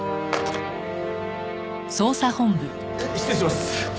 失礼します。